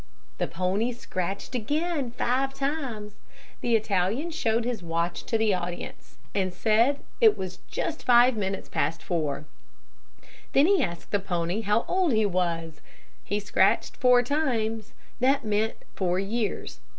The pony scratched again five times. The Italian showed his watch to the audience, and said that it was just five minutes past four. Then he asked the pony how old he was. He scratched four times. That meant four years.